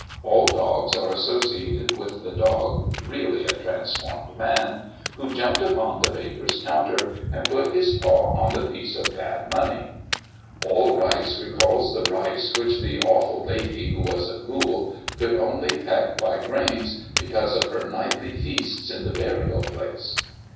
All dogs are associated with the dog, really a transformed man, who jumped upon the baker's counter, and put his paw on the i)iecc of bad money. All rice recalls the rice which the awful lady, who was a ghoule, could only peck by grains, because of her nightly feasts in the burial place.